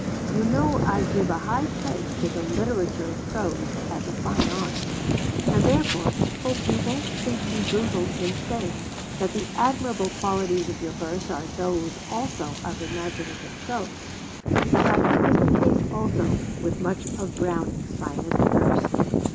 You know I give a high place to the literature of prose as a fine art, and therefore hope you won't think me brutal in saying that the admirable qualities of your verse are those also of imaginative prose; as I think is the case also with much of Browning's finest verse.